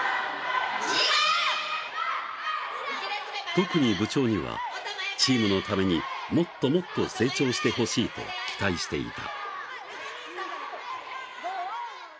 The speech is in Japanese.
特に部長には、チームのためにもっともっと成長してほしいと期待していた。